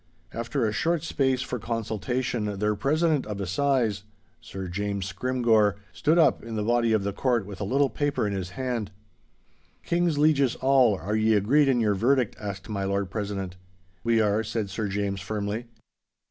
After a short space for consultation their president of assize, Sir James Scrymgeour, stood up in the body of the court with a little paper in his hand, 'King's lieges all, are ye agreed in your verdict?' asked my Lord President. 'We are,' said Sir James, firmly.